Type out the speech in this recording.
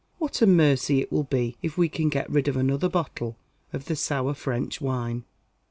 What a mercy it will be if we can get rid of another bottle of the sour French wine!"